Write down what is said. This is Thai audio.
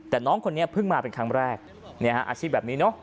แต่น้องคนนี้เพิ่งมาเป็นครั้งแรกอาชีพแบบนี้เนอะ